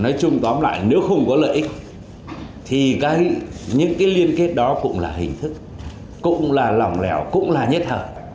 nói chung tóm lại nếu không có lợi ích thì những cái liên kết đó cũng là hình thức cũng là lỏng lẻo cũng là nhất hợp